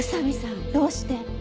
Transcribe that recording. どうして？